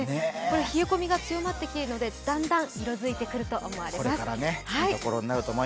冷え込みが強まってきているのでだんだん色づいてくると思われます。